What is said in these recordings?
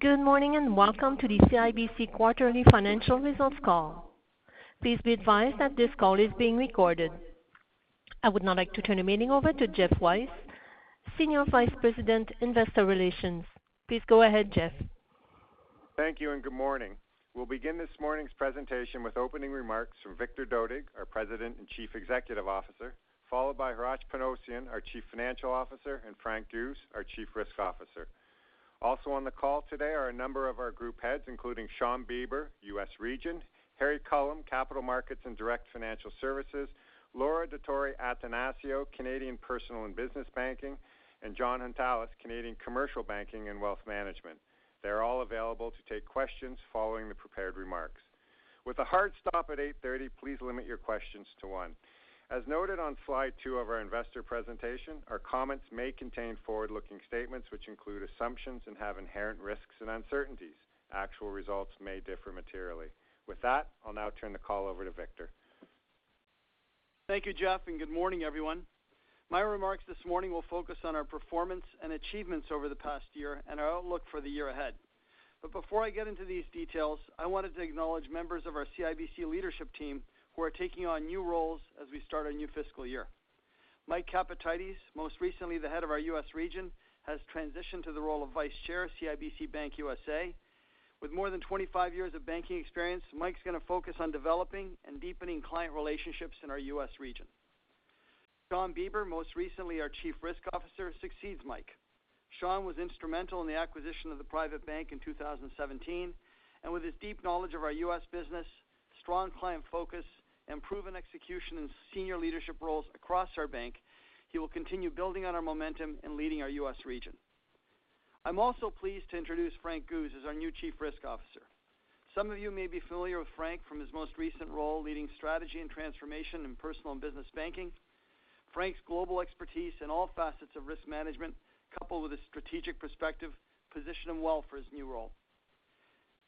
Good morning. Welcome to the CIBC quarterly financial results call. Please be advised that this call is being recorded. I would now like to turn the meeting over to Geoff Weiss, Senior Vice-President, Investor Relations. Please go ahead, Geoff. Thank you and good morning. We'll begin this morning's presentation with opening remarks from Victor Dodig, our President and Chief Executive Officer, followed by Hratch Panossian, our Chief Financial Officer, and Frank Guse, our Chief Risk Officer. Also on the call today are a number of our group heads, including Shawn Beber, U.S. Region, Harry Culham, Capital Markets and Direct Financial Services, Laura Dottori-Attanasio, Canadian Personal and Business Banking, and Jon Hountalas, Canadian Commercial Banking and Wealth Management. They're all available to take questions following the prepared remarks. With a hard stop at 8:30 A.M., please limit your questions to 1. As noted on slide 2 of our investor presentation, our comments may contain forward-looking statements which include assumptions and have inherent risks and uncertainties. Actual results may differ materially. With that, I'll now turn the call over to Victor. Thank you, Geoff. Good morning, everyone. My remarks this morning will focus on our performance and achievements over the past year and our outlook for the year ahead. Before I get into these details, I wanted to acknowledge members of our CIBC leadership team who are taking on new roles as we start our new fiscal year. Mike Capatides, most recently the head of our U.S. region, has transitioned to the role of Vice Chair, CIBC Bank USA. With more than 25 years of banking experience, Mike's gonna focus on developing and deepening client relationships in our U.S. region. Shawn Beber, most recently our Chief Risk Officer, succeeds Mike. Shawn was instrumental in the acquisition of the private bank in 2017, and with his deep knowledge of our U.S. business, strong client focus, and proven execution in senior leadership roles across our bank, he will continue building on our momentum and leading our U.S. region. I'm also pleased to introduce Frank Guse as our new Chief Risk Officer. Some of you may be familiar with Frank from his most recent role, leading strategy and transformation in Personal and Business Banking. Frank's global expertise in all facets of risk management, coupled with a strategic perspective, position him well for his new role.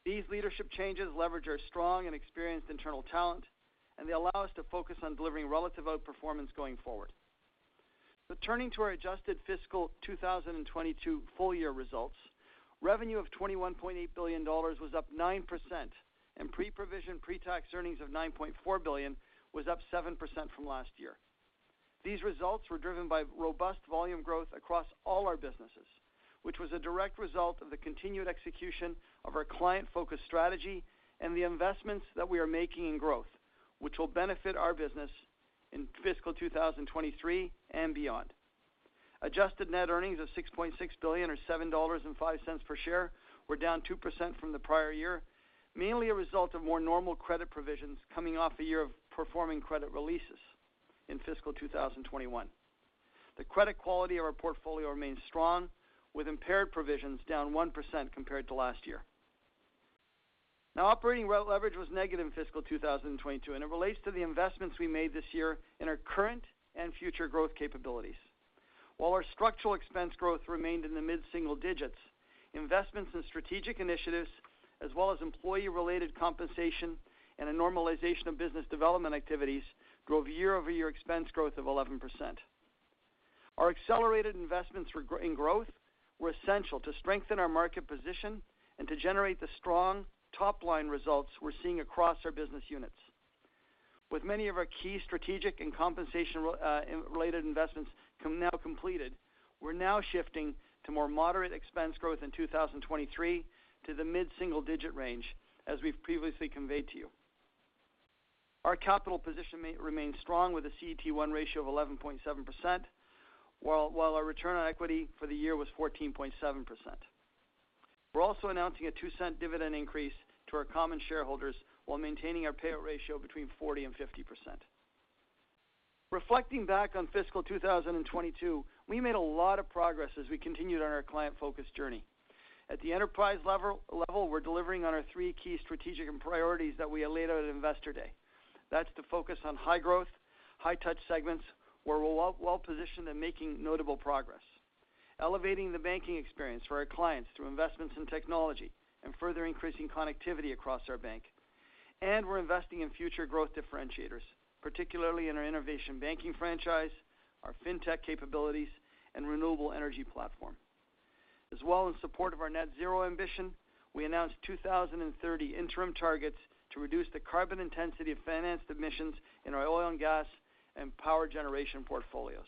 These leadership changes leverage our strong and experienced internal talent, and they allow us to focus on delivering relative outperformance going forward. Turning to our adjusted fiscal 2022 full year results, Revenue of 21.8 billion dollars was up 9% and pre-provision, pre-tax earnings of 9.4 billion was up 7% from last year. These results were driven by robust volume growth across all our businesses, which was a direct result of the continued execution of our client-focused strategy and the investments that we are making in growth, which will benefit our business in fiscal 2023 and beyond. Adjusted net earnings of 6.6 billion or 7.05 dollars per share were down 2% from the prior year, mainly a result of more normal credit provisions coming off a year of performing credit releases in fiscal 2021. The credit quality of our portfolio remains strong, with impaired provisions down 1% compared to last year. Operating leverage was negative in fiscal 2022, and it relates to the investments we made this year in our current and future growth capabilities. While our structural expense growth remained in the mid-single digits, investments in strategic initiatives, as well as employee-related compensation and a normalization of business development activities drove year-over-year expense growth of 11%. Our accelerated investments in growth were essential to strengthen our market position and to generate the strong top-line results we're seeing across our business units. With many of our key strategic and compensation related investments now completed, we're now shifting to more moderate expense growth in 2023 to the mid-single-digit range, as we've previously conveyed to you. Our capital position remains strong with a CET1 ratio of 11.7%, while our return on equity for the year was 14.7%. We're also announcing a 0.02 dividend increase to our common shareholders while maintaining our payout ratio between 40% and 50%. Reflecting back on fiscal 2022, we made a lot of progress as we continued on our client-focused journey. At the enterprise level, we're delivering on our three key strategic and priorities that we had laid out at Investor Day. That's to focus on high-growth, high-touch segments where we're well-positioned in making notable progress, elevating the banking experience for our clients through investments in technology and further increasing connectivity across our bank. We're investing in future growth differentiators, particularly in our innovation banking franchise, our fintech capabilities, and renewable energy platform. As well, in support of our net zero ambition, we announced 2030 interim targets to reduce the carbon intensity of financed emissions in our oil and gas and power generation portfolios.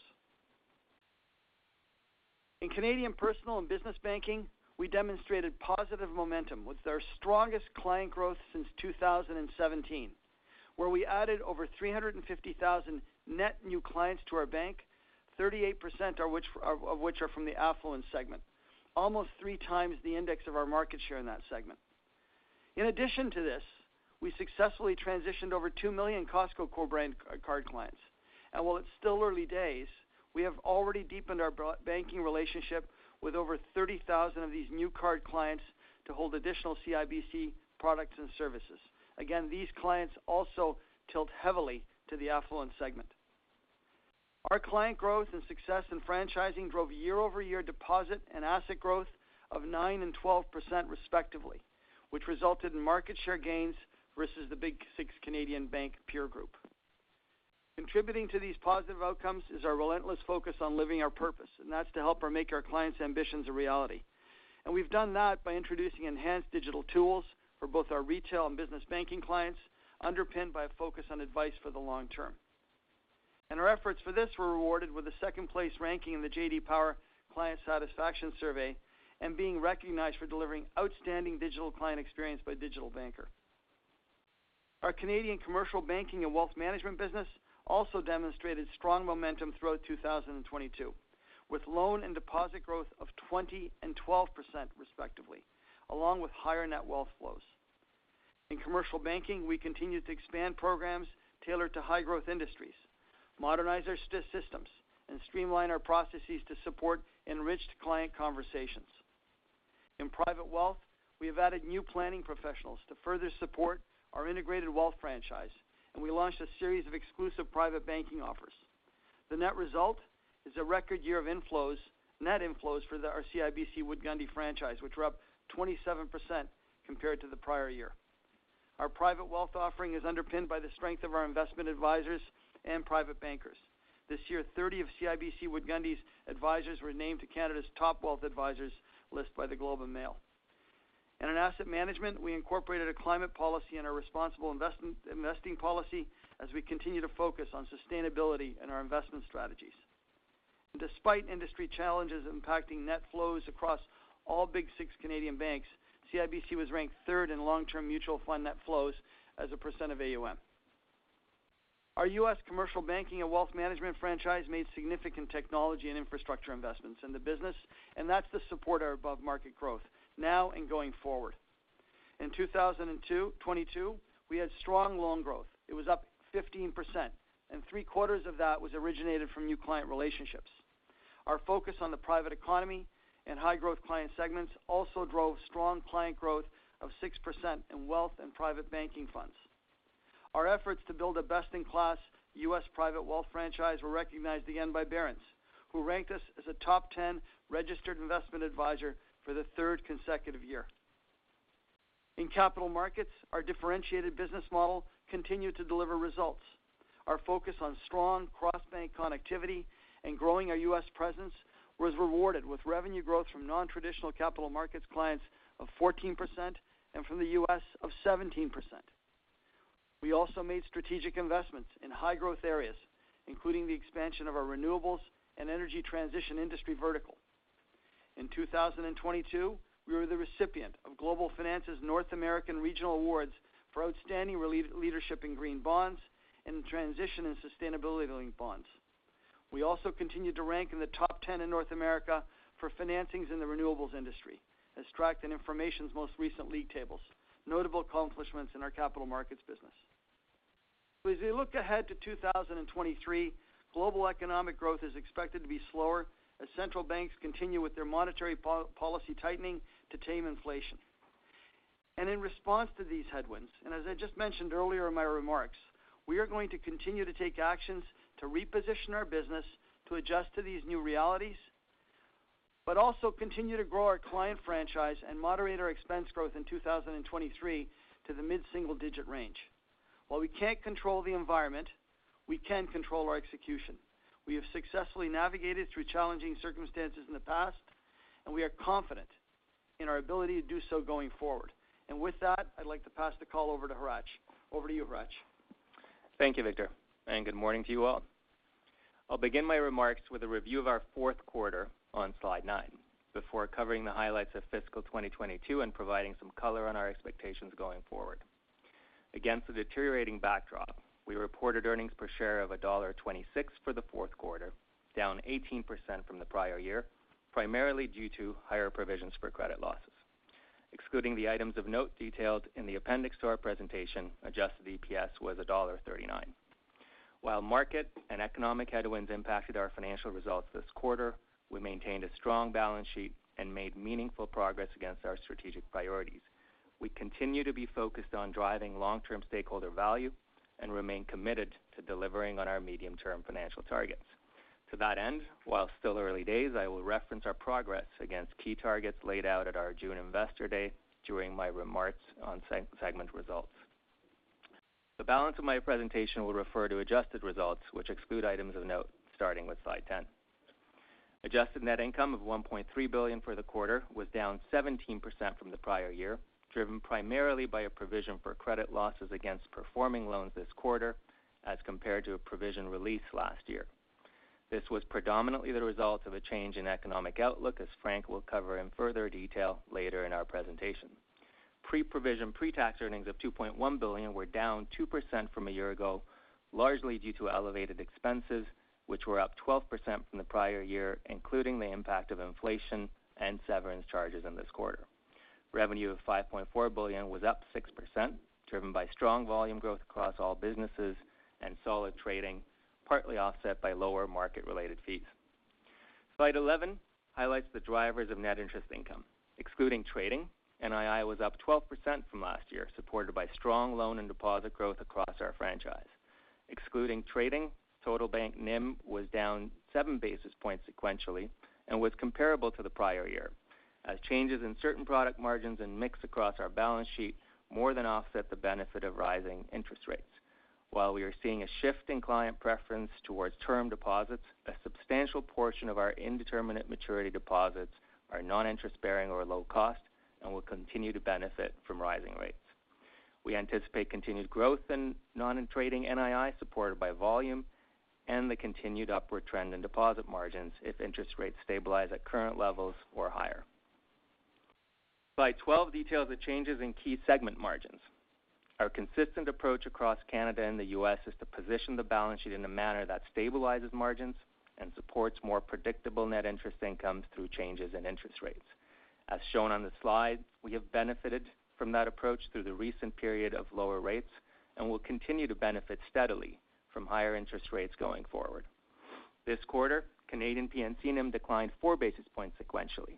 In Canadian Personal and Business Banking, we demonstrated positive momentum with our strongest client growth since 2017, where we added over 350,000 net new clients to our bank, 38% of which are from the affluent segment, almost three times the index of our market share in that segment. In addition to this, we successfully transitioned over 2 million Costco co-brand card clients. While it's still early days, we have already deepened our banking relationship with over 30,000 of these new card clients to hold additional CIBC products and services. Again, these clients also tilt heavily to the affluent segment. Our client growth and success in franchising drove year-over-year deposit and asset growth of 9% and 12%, respectively, which resulted in market share gains versus the Big Six Canadian bank peer group. Contributing to these positive outcomes is our relentless focus on living our purpose, and that's to help or make our clients' ambitions a reality. We've done that by introducing enhanced digital tools for both our retail and business banking clients, underpinned by a focus on advice for the long term. Our efforts for this were rewarded with a second-place ranking in the J.D. Power Client Satisfaction survey and being recognized for delivering outstanding digital client experience by Digital Banker. Our Canadian commercial banking and wealth management business also demonstrated strong momentum throughout 2022, with loan and deposit growth of 20% and 12% respectively, along with higher net wealth flows. In commercial banking, we continue to expand programs tailored to high-growth industries, modernize our systems, and streamline our processes to support enriched client conversations. In private wealth, we have added new planning professionals to further support our integrated wealth franchise. We launched a series of exclusive private banking offers. The net result is a record year of inflows, net inflows for our CIBC Wood Gundy franchise, which were up 27% compared to the prior year. Our private wealth offering is underpinned by the strength of our investment advisors and private bankers. This year, 30 of CIBC Wood Gundy's advisors were named to Canada's top wealth advisors list by The Globe and Mail. In asset management, we incorporated a climate policy and a responsible investing policy as we continue to focus on sustainability in our investment strategies. Despite industry challenges impacting net flows across all big six Canadian banks, CIBC was ranked third in long-term mutual fund net flows as a percent of AUM. Our U.S. commercial banking and wealth management franchise made significant technology and infrastructure investments in the business. That's to support our above-market growth now and going forward. In 2022, we had strong loan growth. It was up 15%, and three-quarters of that was originated from new client relationships. Our focus on the private economy and high-growth client segments also drove strong client growth of 6% in wealth and private banking funds. Our efforts to build a best-in-class U.S. private wealth franchise were recognized again by Barron's, who ranked us as a top 10 registered investment advisor for the third consecutive year. In Capital Markets, our differentiated business model continued to deliver results. Our focus on strong cross-bank connectivity and growing our U.S. presence was rewarded with revenue growth from non-traditional Capital Markets clients of 14% and from the U.S. of 17%. We also made strategic investments in high-growth areas, including the expansion of our renewables and energy transition industry vertical. In 2022, we were the recipient of Global Finance's North American Regional Awards for outstanding leadership in green bonds and transition and sustainability-linked bonds. We also continued to rank in the top 10 in North America for financings in the renewables industry, as tracked in Information's most recent league tables, notable accomplishments in our Capital Markets business. As we look ahead to 2023, global economic growth is expected to be slower as central banks continue with their monetary policy tightening to tame inflation. In response to these headwinds, and as I just mentioned earlier in my remarks, we are going to continue to take actions to reposition our business to adjust to these new realities, but also continue to grow our client franchise and moderate our expense growth in 2023 to the mid-single-digit range. While we can't control the environment, we can control our execution. We have successfully navigated through challenging circumstances in the past, and we are confident in our ability to do so going forward. With that, I'd like to pass the call over to Hratch. Over to you, Hratch. Thank you, Victor. Good morning to you all. I'll begin my remarks with a review of our fourth quarter on slide 9 before covering the highlights of fiscal 2022 and providing some color on our expectations going forward. Against a deteriorating backdrop, we reported earnings per share of $1.26 for the fourth quarter, down 18% from the prior year, primarily due to higher provisions for credit losses. Excluding the items of note detailed in the appendix to our presentation, adjusted EPS was $1.39. While market and economic headwinds impacted our financial results this quarter, we maintained a strong balance sheet and made meaningful progress against our strategic priorities. We continue to be focused on driving long-term stakeholder value and remain committed to delivering on our medium-term financial targets. To that end, while still early days, I will reference our progress against key targets laid out at our June Investor Day during my remarks on seg-segment results. The balance of my presentation will refer to adjusted results, which exclude items of note, starting with slide 10. Adjusted net income of 1.3 billion for the quarter was down 17% from the prior year, driven primarily by a provision for credit losses against performing loans this quarter as compared to a provision release last year. This was predominantly the result of a change in economic outlook, as Frank will cover in further detail later in our presentation. Pre-provision, pre-tax earnings of 2.1 billion were down 2% from a year ago, largely due to elevated expenses, which were up 12% from the prior year, including the impact of inflation and severance charges in this quarter. Revenue of 5.4 billion was up 6%, driven by strong volume growth across all businesses and solid trading, partly offset by lower market-related fees. Slide 11 highlights the drivers of net interest income. Excluding trading, NII was up 12% from last year, supported by strong loan and deposit growth across our franchise. Excluding trading, total bank NIM was down 7 basis points sequentially and was comparable to the prior year. As changes in certain product margins and mix across our balance sheet more than offset the benefit of rising interest rates. While we are seeing a shift in client preference towards term deposits, a substantial portion of our indeterminate maturity deposits are non-interest bearing or low cost and will continue to benefit from rising rates. We anticipate continued growth in non-trading NII, supported by volume and the continued upward trend in deposit margins if interest rates stabilize at current levels or higher. Slide 12 details the changes in key segment margins. Our consistent approach across Canada and the U.S. is to position the balance sheet in a manner that stabilizes margins and supports more predictable net interest income through changes in interest rates. As shown on the slide, we have benefited from that approach through the recent period of lower rates and will continue to benefit steadily from higher interest rates going forward. This quarter, Canadian PNC NIM declined 4 basis points sequentially.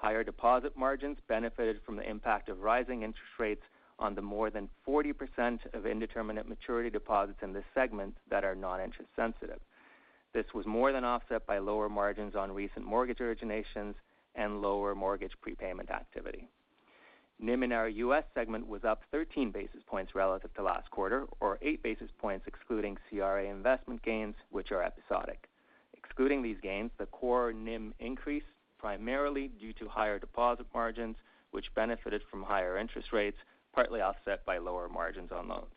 Higher deposit margins benefited from the impact of rising interest rates on the more than 40% of indeterminate maturity deposits in this segment that are non-interest sensitive. This was more than offset by lower margins on recent mortgage originations and lower mortgage prepayment activity. NIM in our U.S. segment was up 13 basis points relative to last quarter, or 8 basis points excluding CRA investment gains, which are episodic. Excluding these gains, the core NIM increased primarily due to higher deposit margins, which benefited from higher interest rates, partly offset by lower margins on loans.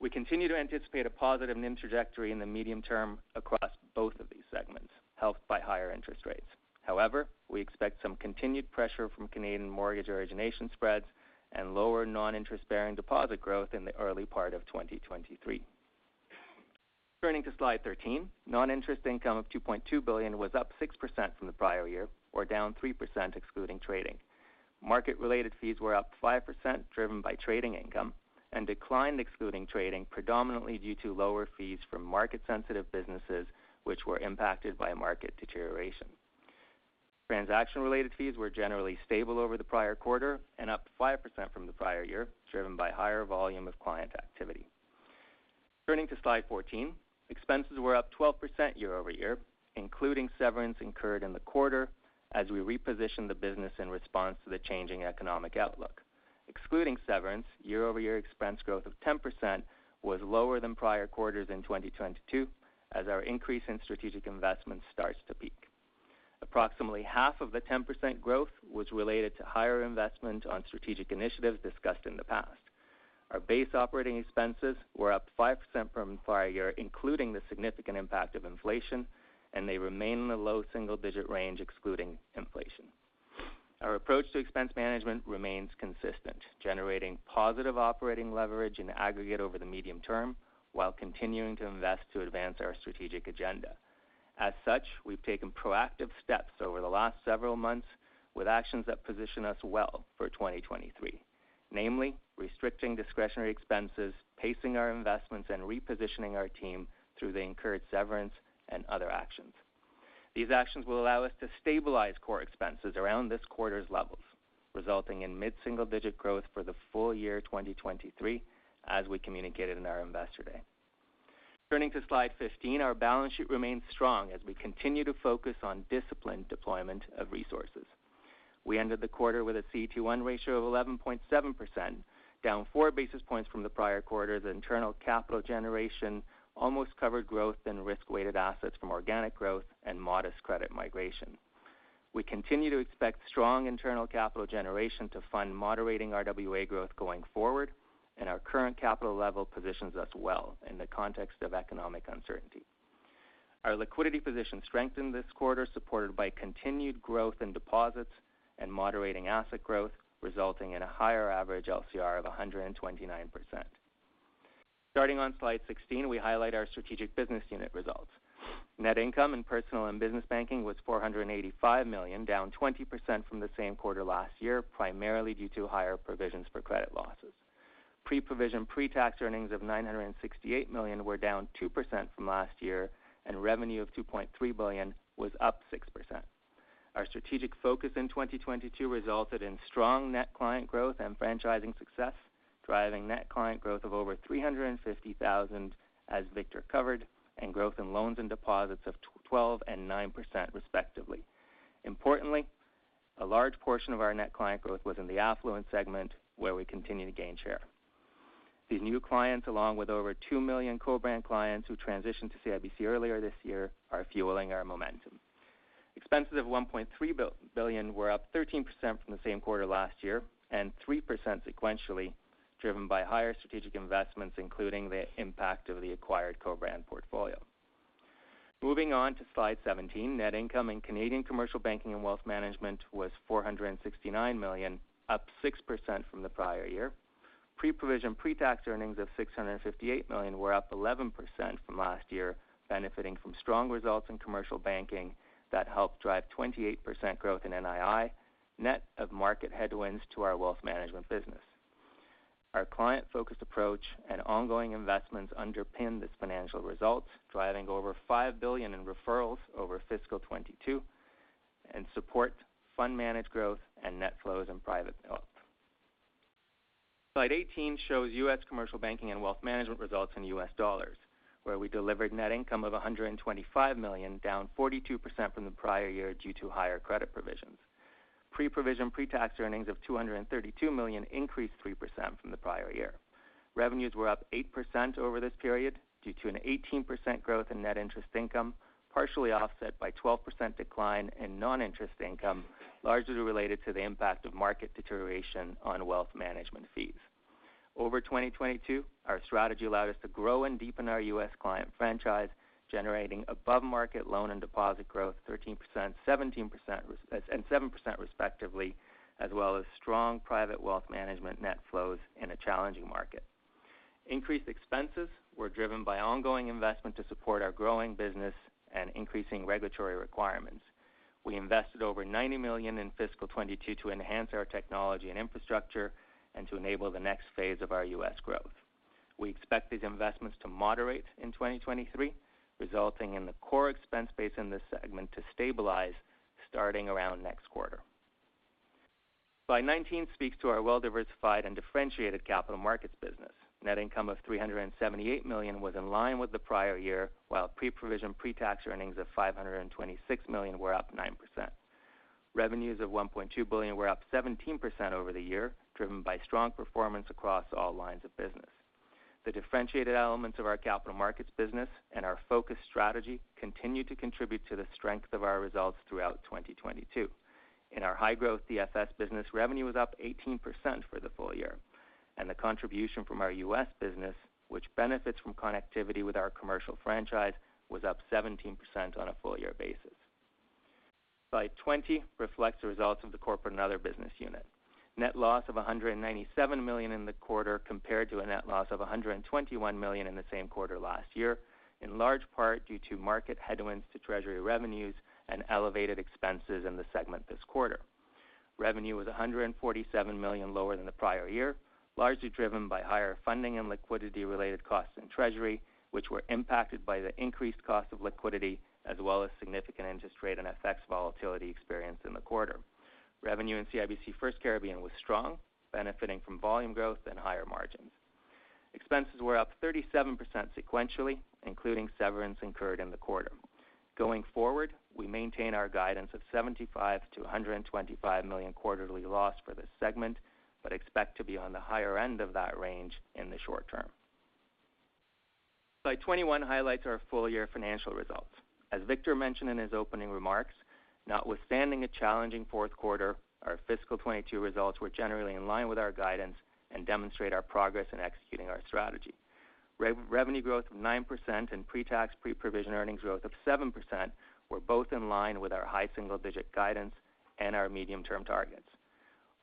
We continue to anticipate a positive NIM trajectory in the medium term across both of these segments, helped by higher interest rates. We expect some continued pressure from Canadian mortgage origination spreads and lower non-interest-bearing deposit growth in the early part of 2023. Turning to slide 13, non-interest income of 2.2 billion was up 6% from the prior year, or down 3% excluding trading. Market-related fees were up 5% driven by trading income and declined excluding trading, predominantly due to lower fees from market sensitive businesses which were impacted by market deterioration. Transaction related fees were generally stable over the prior quarter and up 5% from the prior year, driven by higher volume of client activity. Turning to slide 14, expenses were up 12% year-over-year, including severance incurred in the quarter as we repositioned the business in response to the changing economic outlook. Excluding severance, year-over-year expense growth of 10% was lower than prior quarters in 2022 as our increase in strategic investment starts to peak. Approximately half of the 10% growth was related to higher investment on strategic initiatives discussed in the past. Our base operating expenses were up 5% from prior year, including the significant impact of inflation, and they remain in the low single-digit range excluding inflation. Our approach to expense management remains consistent, generating positive operating leverage in aggregate over the medium term while continuing to invest to advance our strategic agenda. As such, we've taken proactive steps over the last several months with actions that position us well for 2023, namely restricting discretionary expenses, pacing our investments, and repositioning our team through the incurred severance and other actions. These actions will allow us to stabilize core expenses around this quarter's levels, resulting in mid single-digit growth for the full year 2023, as we communicated in our Investor Day. Turning to slide 15, our balance sheet remains strong as we continue to focus on disciplined deployment of resources. We ended the quarter with a CET1 ratio of 11.7%, down 4 basis points from the prior quarter. The internal capital generation almost covered growth in risk weighted assets from organic growth and modest credit migration. We continue to expect strong internal capital generation to fund moderating RWA growth going forward, and our current capital level positions us well in the context of economic uncertainty. Our liquidity position strengthened this quarter, supported by continued growth in deposits and moderating asset growth, resulting in a higher average LCR of 129%. Starting on slide 16, we highlight our strategic business unit results. Net income in Personal and Business Banking was 485 million, down 20% from the same quarter last year, primarily due to higher provisions for credit losses. Pre-provision, pre-tax earnings of 968 million were down 2% from last year, and revenue of 2.3 billion was up 6%. Our strategic focus in 2022 resulted in strong net client growth and franchising success, driving net client growth of over 350,000 as Victor covered, and growth in loans and deposits of 12% and 9% respectively. Importantly, a large portion of our net client growth was in the affluent segment where we continue to gain share. These new clients, along with over 2 million co-brand clients who transitioned to CIBC earlier this year, are fueling our momentum. Expenses of 1.3 billion were up 13% from the same quarter last year and 3% sequentially driven by higher strategic investments, including the impact of the acquired co-brand portfolio. Moving on to slide 17, net income in Canadian Commercial Banking and Wealth Management was 469 million, up 6% from the prior year. Pre-provision, pre-tax earnings of 658 million were up 11% from last year, benefiting from strong results in Commercial Banking that helped drive 28% growth in NII, net of market headwinds to our Wealth Management business. Our client-focused approach and ongoing investments underpin this financial result, driving over 5 billion in referrals over fiscal 2022 and support fund managed growth and net flows in private. Slide 18 shows U.S. Commercial Banking and Wealth Management results in U.S. dollars, where we delivered net income of $125 million, down 42% from the prior year due to higher credit provisions. Pre-provision, pre-tax earnings of $232 million increased 3% from the prior year. Revenues were up 8% over this period due to an 18% growth in net interest income, partially offset by 12% decline in non-interest income, largely related to the impact of market deterioration on wealth management fees. Over 2022, our strategy allowed us to grow and deepen our U.S. client franchise, generating above-market loan and deposit growth 13%, 17% and 7% respectively, as well as strong private wealth management net flows in a challenging market. Increased expenses were driven by ongoing investment to support our growing business and increasing regulatory requirements. We invested over $90 million in fiscal 2022 to enhance our technology and infrastructure and to enable the next phase of our U.S. growth. We expect these investments to moderate in 2023, resulting in the core expense base in this segment to stabilize starting around next quarter. Slide 19 speaks to our well-diversified and differentiated Capital Markets business. Net income of 378 million was in line with the prior year, while pre-provision, pre-tax earnings of 526 million were up 9%. Revenues of 1.2 billion were up 17% over the year, driven by strong performance across all lines of business. The differentiated elements of our Capital Markets business and our focused strategy continued to contribute to the strength of our results throughout 2022. In our high-growth DFS business, revenue was up 18% for the full year, and the contribution from our U.S. business, which benefits from connectivity with our commercial franchise, was up 17% on a full year basis. Slide 20 reflects the results of the corporate and other business unit. Net loss of 197 million in the quarter compared to a net loss of 121 million in the same quarter last year, in large part due to market headwinds to Treasury revenues and elevated expenses in the segment this quarter. Revenue was 147 million lower than the prior year, largely driven by higher funding and liquidity related costs in Treasury, which were impacted by the increased cost of liquidity, as well as significant interest rate and FX volatility experienced in the quarter. Revenue in CIBC FirstCaribbean was strong, benefiting from volume growth and higher margins. Expenses were up 37% sequentially, including severance incurred in the quarter. Going forward, we maintain our guidance of 75 million-125 million quarterly loss for this segment, but expect to be on the higher end of that range in the short term. Slide 21 highlights our full year financial results. As Victor mentioned in his opening remarks, notwithstanding a challenging fourth quarter, our fiscal 2022 results were generally in line with our guidance and demonstrate our progress in executing our strategy. Re-revenue growth of 9% and pre-tax, pre-provision earnings growth of 7% were both in line with our high single-digit guidance and our medium-term targets.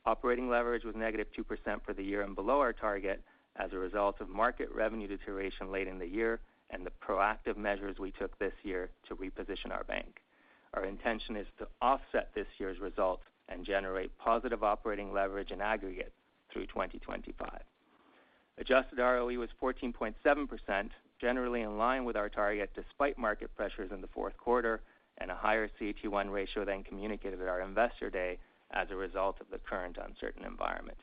Operating leverage was -2% for the year and below our target as a result of market revenue deterioration late in the year and the proactive measures we took this year to reposition our bank. Our intention is to offset this year's results and generate positive operating leverage in aggregate through 2025. Adjusted ROE was 14.7%, generally in line with our target despite market pressures in the fourth quarter and a higher CET1 ratio than communicated at our Investor Day as a result of the current uncertain environment.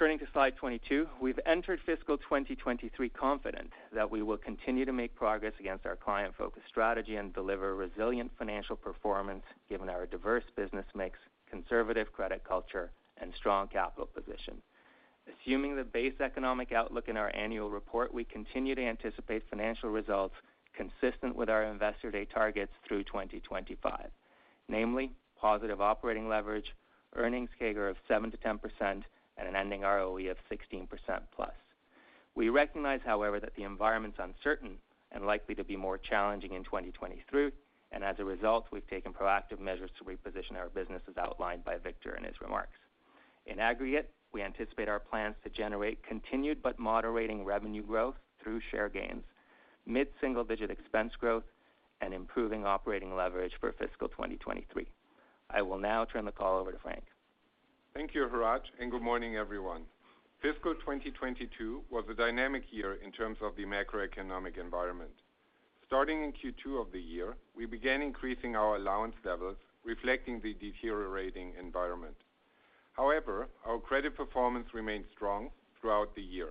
Turning to slide 22. We've entered fiscal 2023 confident that we will continue to make progress against our client-focused strategy and deliver resilient financial performance given our diverse business mix, conservative credit culture, and strong capital position. Assuming the base economic outlook in our annual report, we continue to anticipate financial results consistent with our Investor Day targets through 2025, namely positive operating leverage, earnings CAGR of 7%-10%, and an ending ROE of 16%+. We recognize, however, that the environment's uncertain and likely to be more challenging in 2023. As a result, we've taken proactive measures to reposition our business as outlined by Victor in his remarks. In aggregate, we anticipate our plans to generate continued but moderating revenue growth through share gains, mid-single-digit expense growth, and improving operating leverage for fiscal 2023. I will now turn the call over to Frank. Thank you, Hratch, good morning, everyone. Fiscal 2022 was a dynamic year in terms of the macroeconomic environment. Starting in Q2 of the year, we began increasing our allowance levels, reflecting the deteriorating environment. Our credit performance remained strong throughout the year.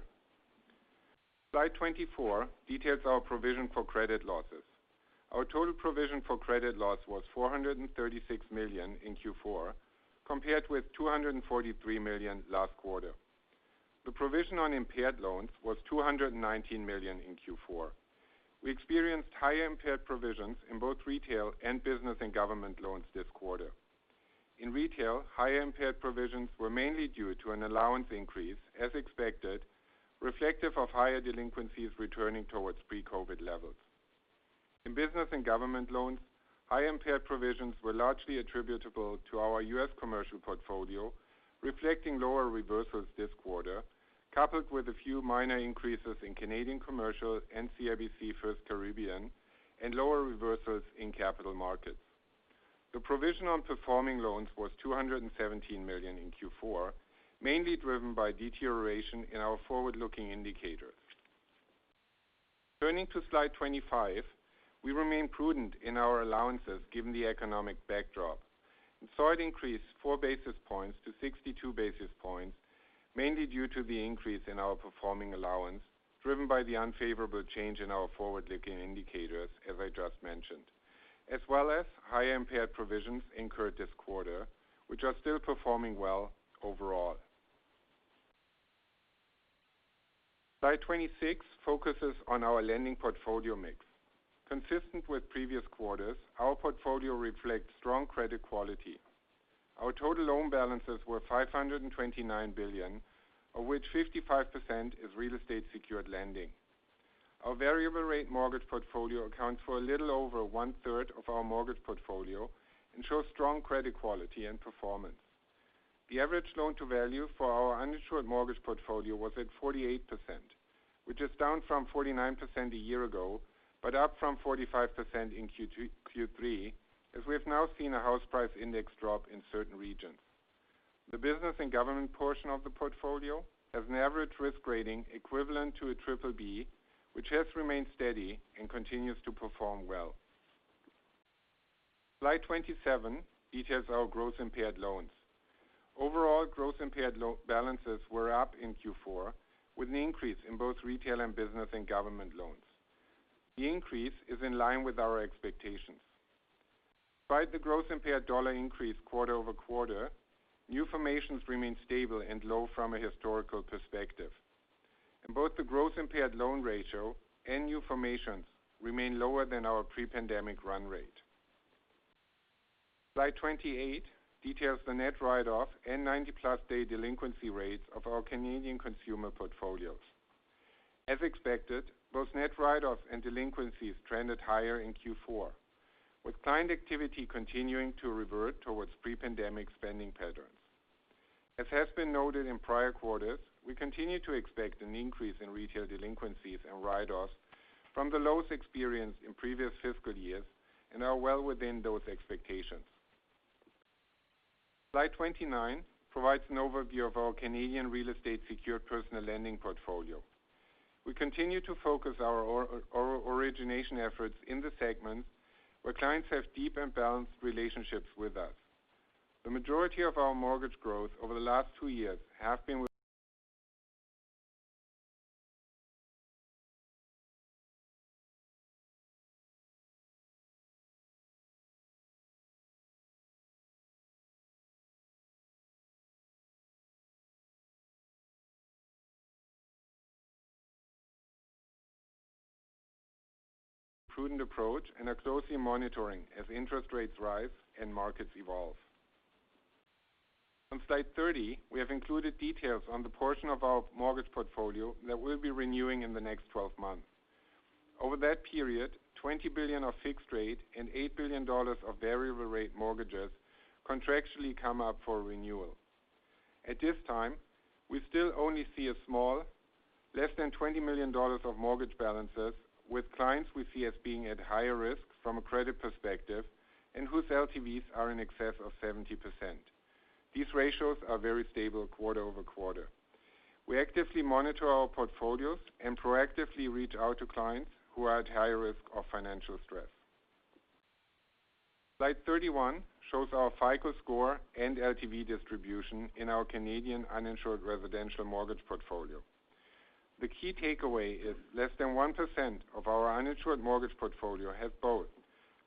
Slide 24 details our provision for credit losses. Our total provision for credit loss was 436 million in Q4, compared with 243 million last quarter. The provision on impaired loans was 219 million in Q4. We experienced higher impaired provisions in both retail and business and government loans this quarter. In retail, higher impaired provisions were mainly due to an allowance increase, as expected, reflective of higher delinquencies returning towards pre-COVID levels. In business and government loans, high impaired provisions were largely attributable to our U.S. commercial portfolio, reflecting lower reversals this quarter, coupled with a few minor increases in Canadian Commercial and CIBC FirstCaribbean, and lower reversals in capital markets. The provision on performing loans was 217 million in Q4, mainly driven by deterioration in our forward-looking indicators. Turning to slide 25, we remain prudent in our allowances given the economic backdrop. It increased 4 basis points to 62 basis points, mainly due to the increase in our performing allowance, driven by the unfavorable change in our forward-looking indicators, as I just mentioned, as well as higher impaired provisions incurred this quarter, which are still performing well overall. Slide 26 focuses on our lending portfolio mix. Consistent with previous quarters, our portfolio reflects strong credit quality. Our total loan balances were 529 billion, of which 55% is real estate secured lending. Our variable rate mortgage portfolio accounts for a little over one-third of our mortgage portfolio and shows strong credit quality and performance. The average loan to value for our uninsured mortgage portfolio was at 48%, which is down from 49% a year ago, but up from 45% in Q3, as we have now seen a house price index drop in certain regions. The business and government portion of the portfolio has an average risk rating equivalent to a BBB, which has remained steady and continues to perform well. Slide 27 details our gross impaired loans. Overall gross impaired balances were up in Q4 with an increase in both retail and business and government loans. The increase is in line with our expectations. Despite the gross impaired dollar increase quarter-over-quarter, new formations remain stable and low from a historical perspective, and both the gross impaired loan ratio and new formations remain lower than our pre-pandemic run rate. Slide 28 details the net write-off and 90-plus day delinquency rates of our Canadian consumer portfolios. As expected, both net write-offs and delinquencies trended higher in Q4, with client activity continuing to revert towards pre-pandemic spending patterns. As has been noted in prior quarters, we continue to expect an increase in retail delinquencies and write-offs from the lows experienced in previous fiscal years and are well within those expectations. Slide 29 provides an overview of our Canadian real estate secured personal lending portfolio. We continue to focus our origination efforts in the segments where clients have deep and balanced relationships with us. The majority of our mortgage growth over the last two years have been with prudent approach and are closely monitoring as interest rates rise and markets evolve. On slide 30, we have included details on the portion of our mortgage portfolio that we'll be renewing in the next 12 months. Over that period, 20 billion of fixed rate and 8 billion dollars of variable rate mortgages contractually come up for renewal. At this time, we still only see a small, less than 20 million dollars of mortgage balances with clients we see as being at higher risk from a credit perspective and whose LTVs are in excess of 70%. These ratios are very stable quarter-over-quarter. We actively monitor our portfolios and proactively reach out to clients who are at higher risk of financial stress. Slide 31 shows our FICO score and LTV distribution in our Canadian uninsured residential mortgage portfolio. The key takeaway is less than 1% of our uninsured mortgage portfolio has both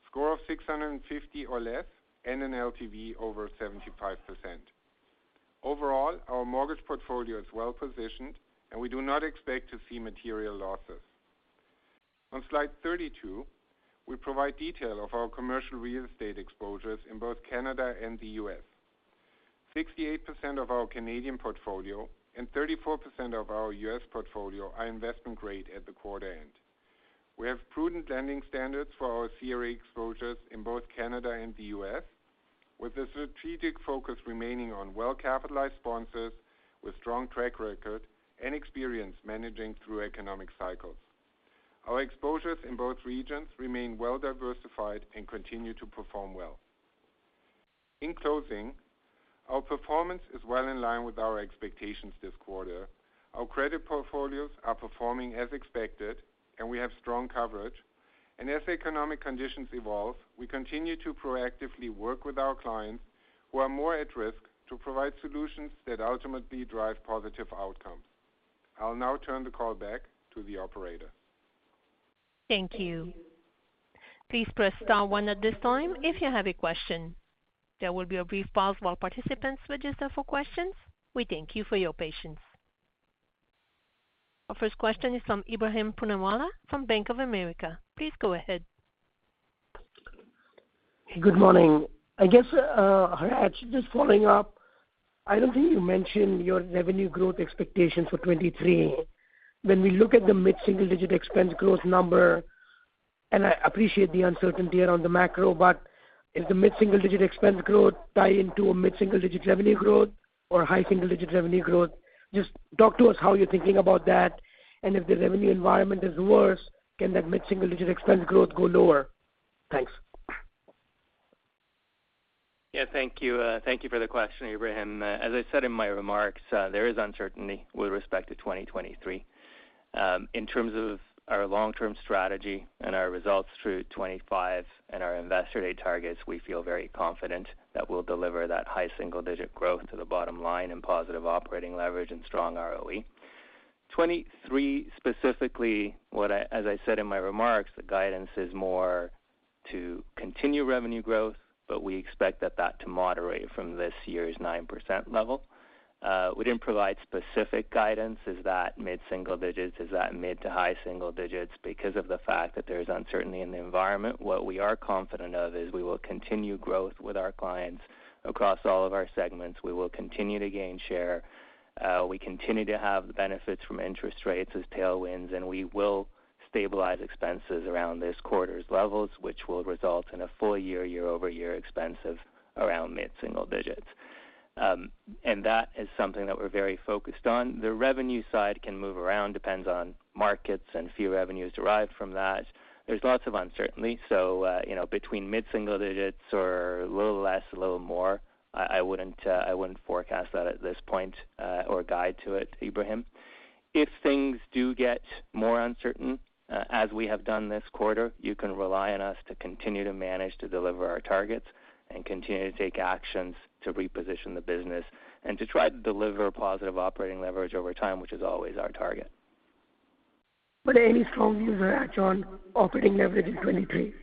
score of 650 or less and an LTV over 75%. Overall, our mortgage portfolio is well positioned, and we do not expect to see material losses. On slide 32, we provide detail of our commercial real estate exposures in both Canada and the U.S.. 68% of our Canadian portfolio and 34% of our U.S. portfolio are investment grade at the quarter end. We have prudent lending standards for our CRA exposures in both Canada and the U.S., with a strategic focus remaining on well-capitalized sponsors with strong track record and experience managing through economic cycles. Our exposures in both regions remain well diversified and continue to perform well. In closing, our performance is well in line with our expectations this quarter. Our credit portfolios are performing as expected, and we have strong coverage. As economic conditions evolve, we continue to proactively work with our clients who are more at risk to provide solutions that ultimately drive positive outcomes. I'll now turn the call back to the operator. Thank you. Please press star one at this time if you have a question. There will be a brief pause while participants register for questions. We thank you for your patience. Our first question is from Ebrahim Poonawala from Bank of America. Please go ahead. Good morning. I guess, Hratch, just following up, I don't think you mentioned your revenue growth expectations for 2023. When we look at the mid-single digit expense growth number, and I appreciate the uncertainty around the macro, but is the mid-single digit expense growth tie into a mid-single digit revenue growth or high single digit revenue growth? Just talk to us how you're thinking about that. If the revenue environment is worse, can that mid-single digit expense growth go lower? Thanks. Yeah, thank you. Thank you for the question, Ebrahim. As I said in my remarks, there is uncertainty with respect to 2023. In terms of our long-term strategy and our results through 2025 and our investor day targets, we feel very confident that we'll deliver that high single digit growth to the bottom line and positive operating leverage and strong ROE. 2023 specifically, as I said in my remarks, the guidance is more to continue revenue growth, but we expect that that to moderate from this year's 9% level. We didn't provide specific guidance. Is that mid-single digits? Is that mid to high single digits? Because of the fact that there's uncertainty in the environment, what we are confident of is we will continue growth with our clients across all of our segments. We will continue to gain share. We continue to have the benefits from interest rates as tailwinds, and we will stabilize expenses around this quarter's levels, which will result in a full year-over-year expense of around mid-single digits. That is something that we're very focused on. The revenue side can move around, depends on markets and fee revenues derived from that. There's lots of uncertainty, you know, between mid-single digits or a little less, a little more, I wouldn't forecast that at this point or guide to it, Ebrahim. If things do get more uncertain, as we have done this quarter, you can rely on us to continue to manage to deliver our targets and continue to take actions to reposition the business and to try to deliver positive operating leverage over time, which is always our target. Any strong views around Jon operating leverage in 2023?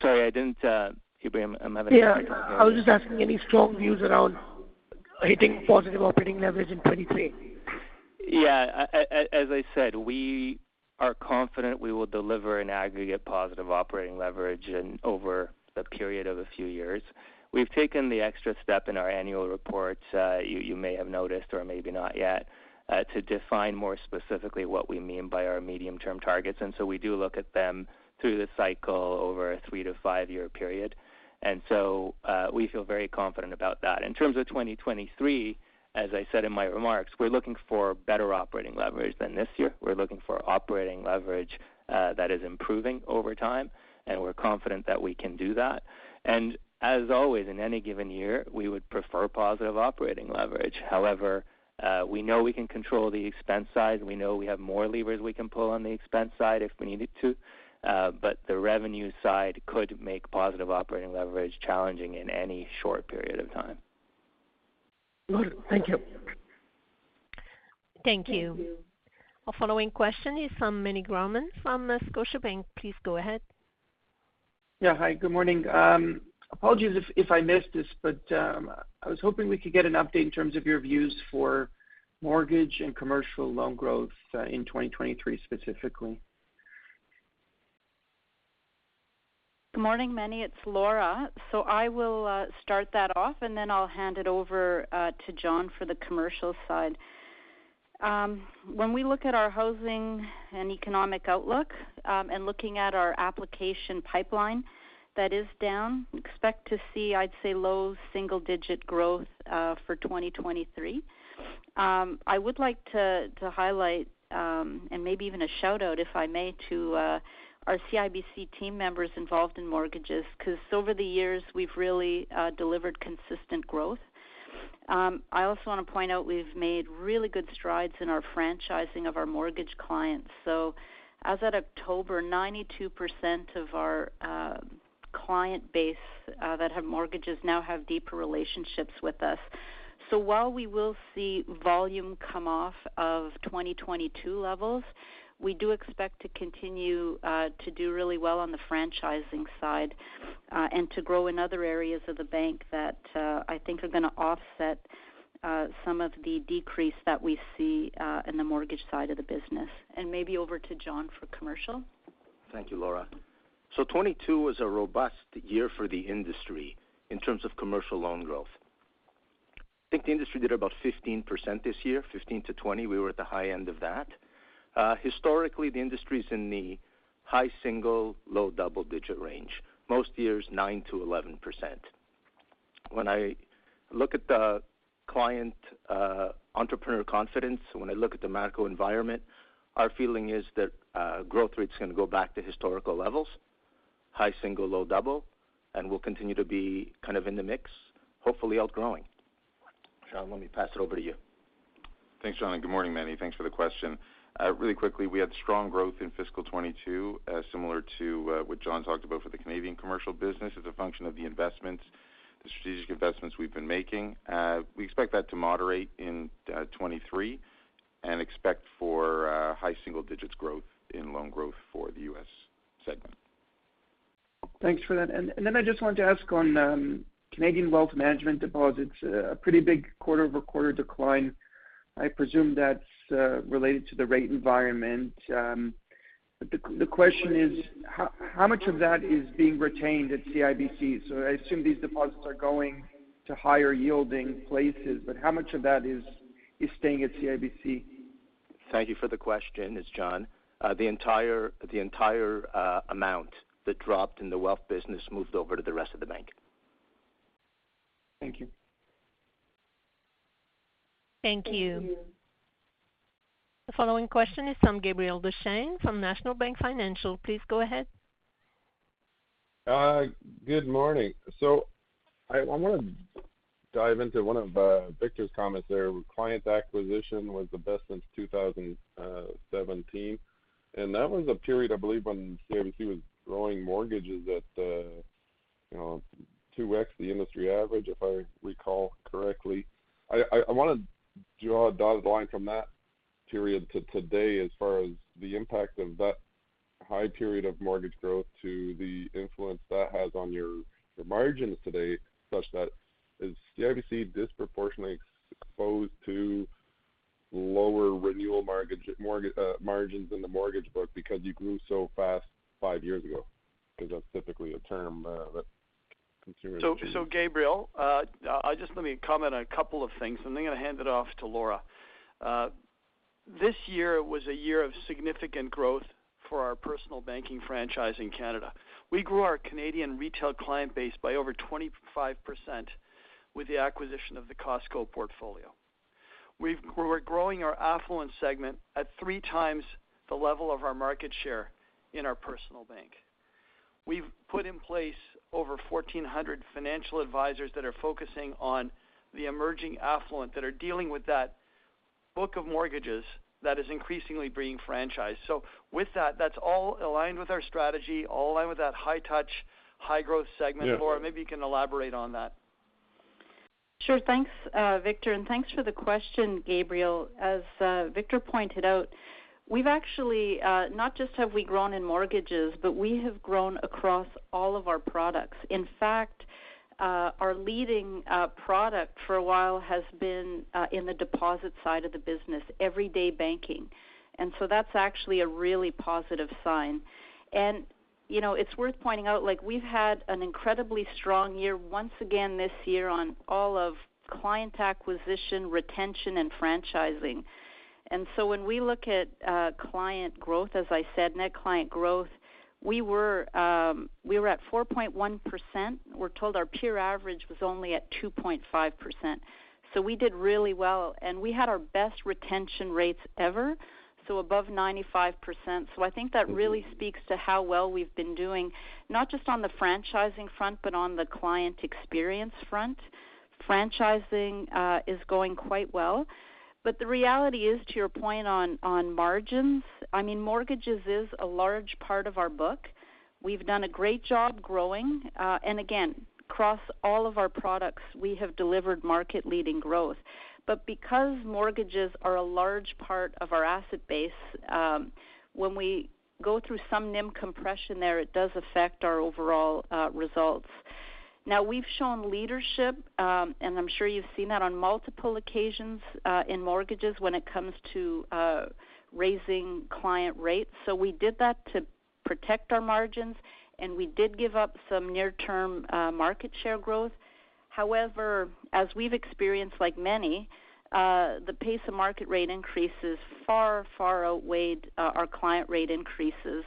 Sorry, I didn't, Ebrahim, I'm having difficulty hearing you. Yeah. I was just asking any strong views around hitting positive operating leverage in 2023? As I said, we are confident we will deliver an aggregate positive operating leverage over the period of a few years. We've taken the extra step in our annual report, you may have noticed or maybe not yet, to define more specifically what we mean by our medium-term targets. We do look at them through the cycle over a 3-5-year period. We feel very confident about that. In terms of 2023, as I said in my remarks, we're looking for better operating leverage than this year. We're looking for operating leverage that is improving over time, and we're confident that we can do that. As always, in any given year, we would prefer positive operating leverage. However, we know we can control the expense side. We know we have more levers we can pull on the expense side if we needed to. The revenue side could make positive operating leverage challenging in any short period of time. Good. Thank you. Thank you. Our following question is from Meny Grauman from Scotiabank. Please go ahead. Yeah. Hi, good morning. apologies if I missed this, but, I was hoping we could get an update in terms of your views for mortgage and commercial loan growth, in 2023 specifically. Good morning, Meny. It's Laura. I will start that off, and then I'll hand it over to Jon for the commercial side. When we look at our housing and economic outlook, and looking at our application pipeline that is down, expect to see, I'd say, low single-digit growth for 2023. I would like to highlight, and maybe even a shout-out, if I may, to our CIBC team members involved in mortgages, 'cause over the years, we've really delivered consistent growth. I also wanna point out we've made really good strides in our franchising of our mortgage clients. As of October, 92% of our client base that have mortgages now have deeper relationships with us. While we will see volume come off of 2022 levels, we do expect to continue to do really well on the franchising side and to grow in other areas of the bank that I think are gonna offset some of the decrease that we see in the mortgage side of the business. Maybe over to Jon for commercial. Thank you, Laura. 2022 was a robust year for the industry in terms of commercial loan growth. I think the industry did about 15% this year, 15%-20%. We were at the high end of that. Historically, the industry's in the high single, low double-digit range, most years 9%-11%. When I look at the client, entrepreneur confidence, when I look at the macro environment, our feeling is that growth rate's gonna go back to historical levels, high single, low double, and we'll continue to be kind of in the mix, hopefully outgrowing. Shawn, let me pass it over to you. Thanks, Jon, good morning, Meny. Thanks for the question. Really quickly, we had strong growth in fiscal 2022, similar to what Jon talked about for the Canadian commercial business as a function of the investments, the strategic investments we've been making. We expect that to moderate in 2023 and expect for high single-digits growth in loan growth for the U.S. segment. Thanks for that. Then I just wanted to ask on Canadian wealth management deposits, a pretty big quarter-over-quarter decline. I presume that's related to the rate environment. The question is, how much of that is being retained at CIBC? I assume these deposits are going to higher yielding places, but how much of that is staying at CIBC? Thank you for the question. It's Jon. The entire amount that dropped in the wealth business moved over to the rest of the bank. Thank you. Thank you. The following question is from Gabriel Dechaine from National Bank Financial. Please go ahead. Good morning. I wanna dive into one of Victor's comments there. Client acquisition was the best since 2017, that was a period, I believe, when CIBC was growing mortgages at, you know, 2x the industry average, if I recall correctly. I wanna draw a dotted line from that period to today as far as the impact of that high period of mortgage growth to the influence that has on your margins today, such that is CIBC disproportionately exposed to lower renewal mortgage margins in the mortgage book because you grew so fast 5 years ago? That's typically a term that consumers use. Gabriel, just let me comment on a couple of things, and then gonna hand it off to Laura. This year was a year of significant growth for our personal banking franchise in Canada. We grew our Canadian retail client base by over 25% with the acquisition of the Costco portfolio. We're growing our affluent segment at three times the level of our market share in our personal bank. We've put in place over 1,400 financial advisors that are focusing on the emerging affluent, that are dealing with that book of mortgages that is increasingly being franchised. With that's all aligned with our strategy, all aligned with that high touch, high growth segment. Yeah. Laura, maybe you can elaborate on that? Sure. Thanks, Victor, and thanks for the question, Gabriel. As Victor pointed out, we've actually not just have we grown in mortgages, but we have grown across all of our products. In fact, our leading product for a while has been in the deposit side of the business, everyday banking. That's actually a really positive sign. You know, it's worth pointing out, like, we've had an incredibly strong year once again this year on all of client acquisition, retention, and franchising. When we look at client growth, as I said, net client growth, we were at 4.1%. We're told our peer average was only at 2.5%. We did really well, and we had our best retention rates ever, so above 95%. I think that really speaks to how well we've been doing, not just on the franchising front, but on the client experience front. Franchising is going quite well. The reality is, to your point on margins, I mean, mortgages is a large part of our book. We've done a great job growing, and again, across all of our products, we have delivered market-leading growth. Because mortgages are a large part of our asset base, when we go through some NIM compression there, it does affect our overall results. We've shown leadership, and I'm sure you've seen that on multiple occasions, in mortgages when it comes to raising client rates. We did that to protect our margins, and we did give up some near-term market share growth. However, as we've experienced, like many, the pace of market rate increases far, far outweighed our client rate increases.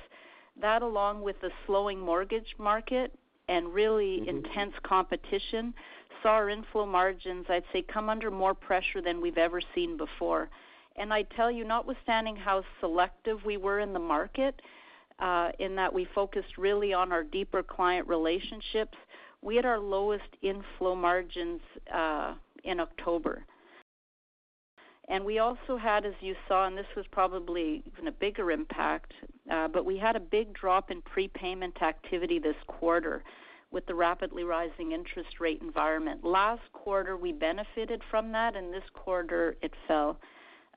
That, along with the slowing mortgage market and really intense competition, saw our inflow margins, I'd say, come under more pressure than we've ever seen before. I tell you, notwithstanding how selective we were in the market, in that we focused really on our deeper client relationships, we had our lowest inflow margins in October. We also had, as you saw, and this was probably even a bigger impact, but we had a big drop in prepayment activity this quarter with the rapidly rising interest rate environment. Last quarter, we benefited from that, and this quarter it fell.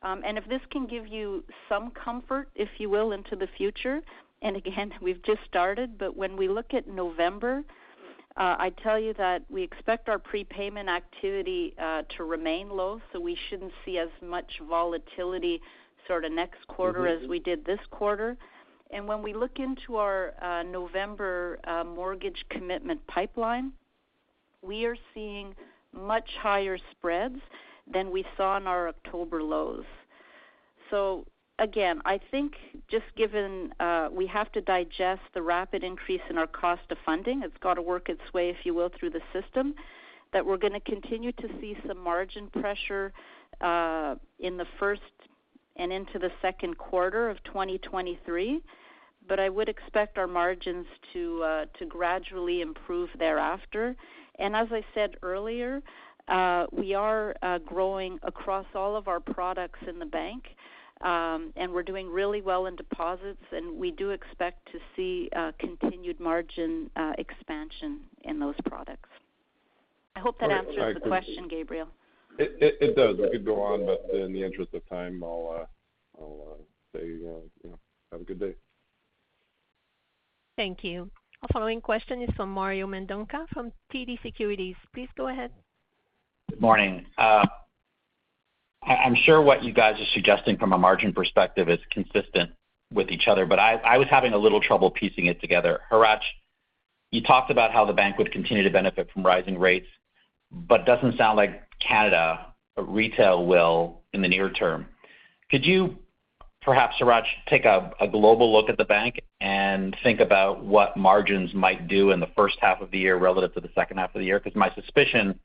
If this can give you some comfort, if you will, into the future, and again, we've just started, but when we look at November, I tell you that we expect our prepayment activity to remain low, so we shouldn't see as much volatility sort of next quarter as we did this quarter. When we look into our November mortgage commitment pipeline, we are seeing much higher spreads than we saw in our October lows. Again, I think just given, we have to digest the rapid increase in our cost of funding, it's got to work its way, if you will, through the system, that we're gonna continue to see some margin pressure in the first and into the second quarter of 2023. I would expect our margins to gradually improve thereafter. As I said earlier, we are growing across all of our products in the bank, and we're doing really well in deposits, and we do expect to see continued margin expansion in those products. I hope that answers the question, Gabriel. It does. We could go on, but in the interest of time, I'll say, you know, have a good day. Thank you. Our following question is from Mario Mendonca from TD Securities. Please go ahead. Good morning. I'm sure what you guys are suggesting from a margin perspective is consistent with each other, but I was having a little trouble piecing it together. Hratch, you talked about how the bank would continue to benefit from rising rates, but doesn't sound like Canada Retail will in the near term. Perhaps Hratch take a global look at the bank and think about what margins might do in the first half of the year relative to the second half of the year, because my suspicion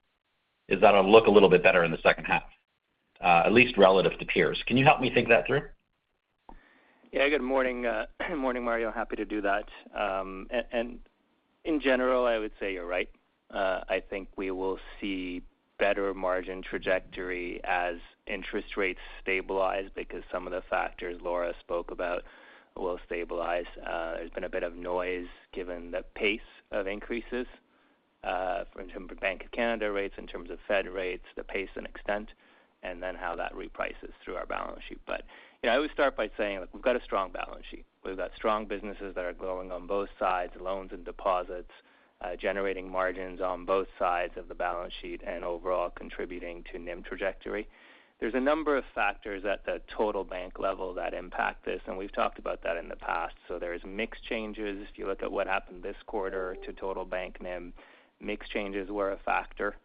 is that'll look a little bit better in the second half, at least relative to peers. Can you help me think that through? Good morning. Morning, Mario. Happy to do that. In general, I would say you're right. I think we will see better margin trajectory as interest rates stabilize because some of the factors Laura spoke about will stabilize. There's been a bit of noise given the pace of increases in terms of Bank of Canada rates, in terms of Fed rates, the pace and extent, and then how that reprices through our balance sheet. You know, I always start by saying, look, we've got a strong balance sheet. We've got strong businesses that are growing on both sides, loans and deposits, generating margins on both sides of the balance sheet and overall contributing to NIM trajectory. There's a number of factors at the total bank level that impact this, and we've talked about that in the past. There's mix changes. If you look at what happened this quarter to total bank NIM, mix changes were a factor.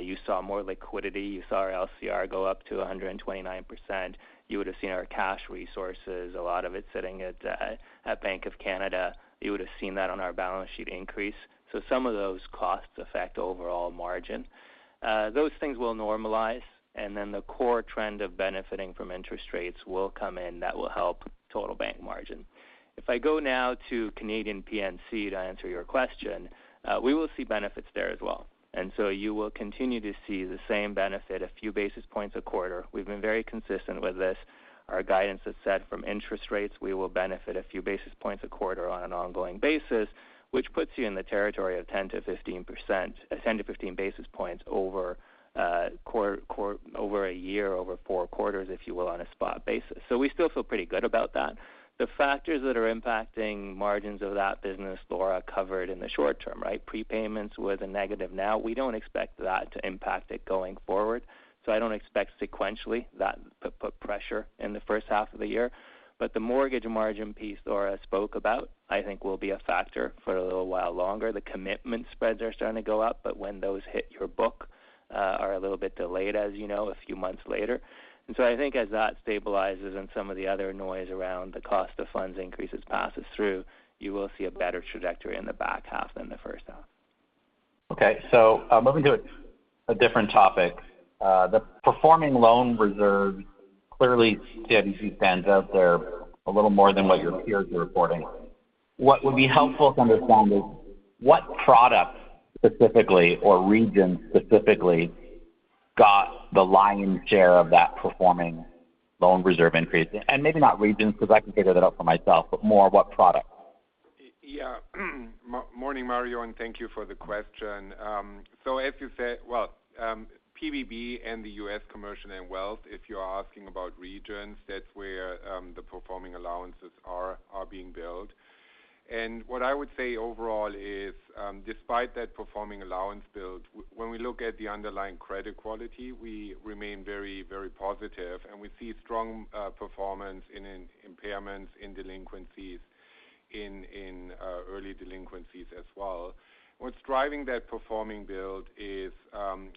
You saw more liquidity, you saw our LCR go up to 129%. You would have seen our cash resources, a lot of it sitting at Bank of Canada. You would have seen that on our balance sheet increase. Some of those costs affect overall margin. Those things will normalize, and then the core trend of benefiting from interest rates will come in. That will help total bank margin. If I go now to Canadian PNC, to answer your question, we will see benefits there as well. You will continue to see the same benefit, a few basis points a quarter. We've been very consistent with this. Our guidance is set from interest rates. We will benefit a few basis points a quarter on an ongoing basis, which puts you in the territory of 10%-15%, 10-15 basis points over a year, over four quarters, if you will, on a spot basis. We still feel pretty good about that. The factors that are impacting margins of that business, Laura covered in the short term, right? Prepayments were the negative. We don't expect that to impact it going forward. I don't expect sequentially that to put pressure in the first half of the year. The mortgage margin piece Laura spoke about, I think, will be a factor for a little while longer. The commitment spreads are starting to go up, but when those hit your book, are a little bit delayed, as you know, a few months later. I think as that stabilizes and some of the other noise around the cost of funds increases passes through, you will see a better trajectory in the back half than the first half. Okay. Moving to a different topic, the performing loan reserve, clearly, CIBC stands out there a little more than what your peers are reporting. What would be helpful to understand is what products specifically or regions specifically got the lion's share of that performing loan reserve increase? Maybe not regions, because I can figure that out for myself, but more what products. Yeah. Morning, Mario, and thank you for the question. As you said... Well, PBB and the U.S. Commercial and Wealth, if you're asking about regions, that's where the performing allowances are being built. What I would say overall is, despite that performing allowance build, when we look at the underlying credit quality, we remain very positive, and we see strong performance in impairments, in delinquencies, in early delinquencies as well. What's driving that performing build is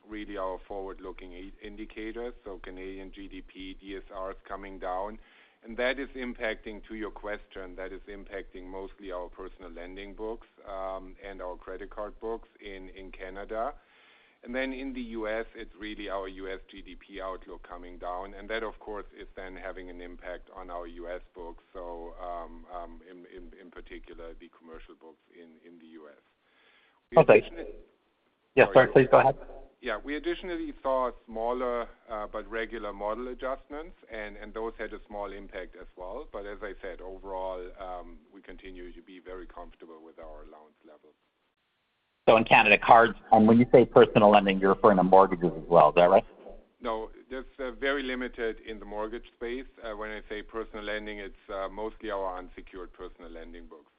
really our forward-looking indicators. Canadian GDP, DSR is coming down, and that is impacting, to your question, mostly our personal lending books, and our credit card books in Canada. In the U.S., it's really our U.S. GDP outlook coming down. That, of course, is then having an impact on our U.S. books. In particular, the commercial books in the U.S. Oh, thanks. Yes, sorry, please go ahead. Yeah. We additionally saw smaller, but regular model adjustments, and those had a small impact as well. As I said, overall, we continue to be very comfortable with our allowance levels. In Canada cards, and when you say personal lending, you're referring to mortgages as well. Is that right? No. That's very limited in the mortgage space. When I say personal lending, it's mostly our unsecured personal lending books.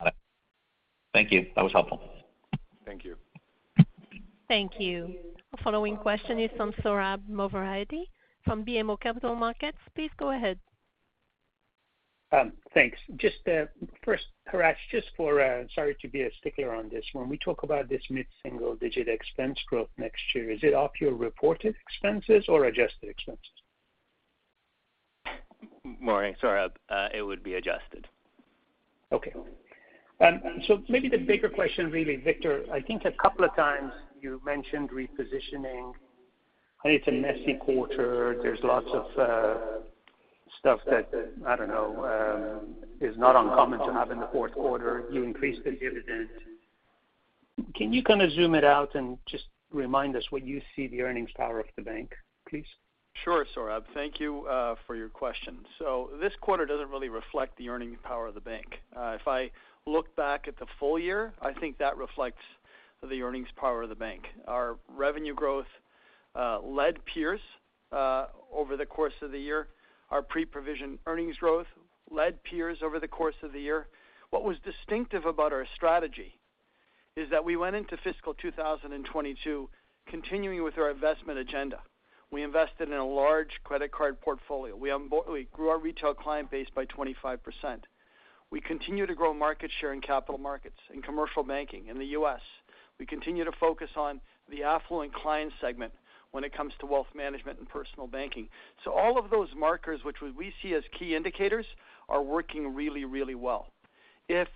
Got it. Thank you. That was helpful. Thank you. Thank you. Following question is from Sohrab Movahedi from BMO Capital Markets. Please go ahead. Thanks. Just, first, Hratch, just for, sorry to be a stickler on this one. We talk about this mid-single-digit expense growth next year. Is it off your reported expenses or adjusted expenses? Morning, Sohrab. It would be adjusted. Okay. Maybe the bigger question, really, Victor, I think a couple of times you mentioned repositioning. I think it's a messy quarter. There's lots of stuff that, I don't know, is not uncommon to have in the fourth quarter. You increased the dividend. Can you kind of zoom it out and just remind us what you see the earnings power of the bank, please? Sure, Sohrab. Thank you for your question. This quarter doesn't really reflect the earning power of the bank. If I look back at the full year, I think that reflects the earnings power of the bank. Our revenue growth led peers over the course of the year. Our pre-provision earnings growth led peers over the course of the year. What was distinctive about our strategy is that we went into fiscal 2022 continuing with our investment agenda. We invested in a large credit card portfolio. We grew our retail client base by 25%. We continue to grow market share in Capital Markets, in commercial banking in the U.S. We continue to focus on the affluent client segment when it comes to wealth management and personal banking. All of those markers, which we see as key indicators, are working really, really well. If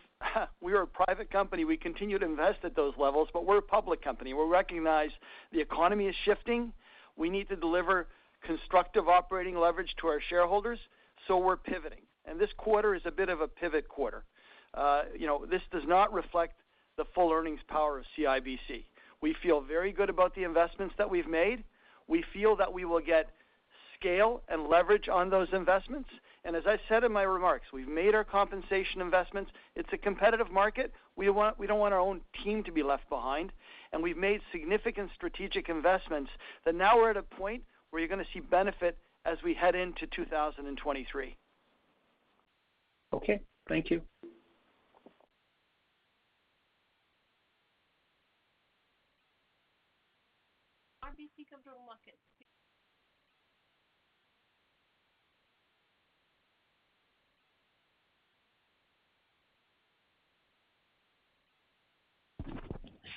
we were a private company, we continue to invest at those levels, but we're a public company. We recognize the economy is shifting. We need to deliver constructive operating leverage to our shareholders, we're pivoting. This quarter is a bit of a pivot quarter. you know, this does not reflect the full earnings power of CIBC. We feel very good about the investments that we've made. We feel that we will get scale and leverage on those investments. As I said in my remarks, we've made our compensation investments. It's a competitive market. We don't want our own team to be left behind. We've made significant strategic investments that now we're at a point where you're going to see benefit as we head into 2023. Okay. Thank you.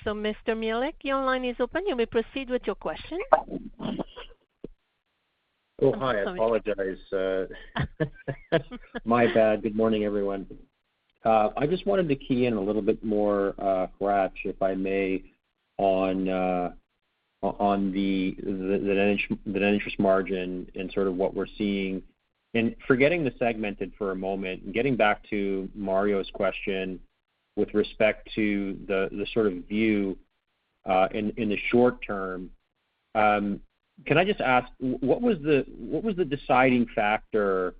RBC Capital Markets. Mr. Mihelic, your line is open. You may proceed with your question. Hi. I apologize. My bad. Good morning, everyone. I just wanted to key in a little bit more, Hratch, if I may, on the net interest margin and sort of what we're seeing. Forgetting the segmented for a moment and getting back to Mario's question with respect to the sort of view in the short term, can I just ask, what was the deciding factor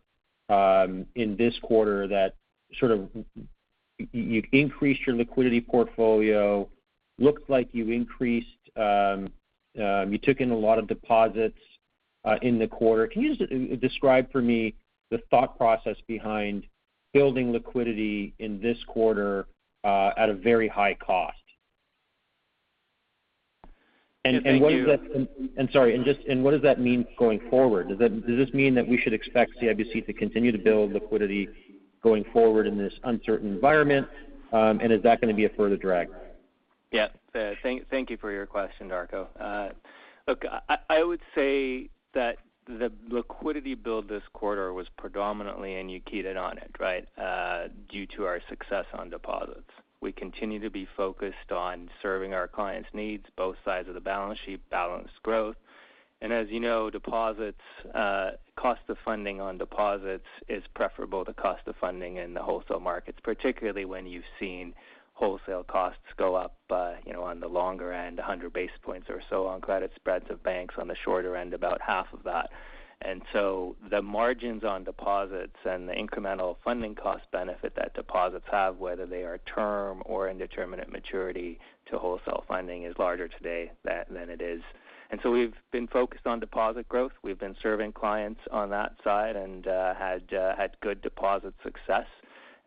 in this quarter that sort of you increased your liquidity portfolio, looked like you increased, you took in a lot of deposits in the quarter? Can you just describe for me the thought process behind building liquidity in this quarter at a very high cost? Yeah, thank you. What does that mean going forward? Does this mean that we should expect CIBC to continue to build liquidity going forward in this uncertain environment? Is that gonna be a further drag? Yeah. Thank you for your question, Darko. Look, I would say that the liquidity build this quarter was predominantly, and you keyed in on it, right, due to our success on deposits. We continue to be focused on serving our clients' needs, both sides of the balance sheet, balanced growth. As you know, deposits, cost of funding on deposits is preferable to cost of funding in the wholesale markets, particularly when you've seen wholesale costs go up, you know, on the longer end, 100 basis points or so on credit spreads of banks on the shorter end, about half of that. So the margins on deposits and the incremental funding cost benefit that deposits have, whether they are term or indeterminate maturity to wholesale funding, is larger today than it is. So we've been focused on deposit growth. We've been serving clients on that side and had good deposit success,